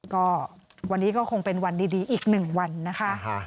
ก็วันนี้ก็คงเป็นวันดีอีก๑วันนะคะ